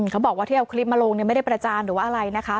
เขาบอกว่าที่เอาคลิปมาลงไม่ได้ประจานหรือว่าอะไรนะคะ